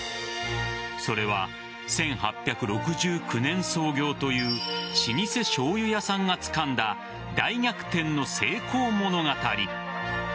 それは１８６９年創業という老舗しょうゆ屋さんがつかんだ大逆転の成功物語。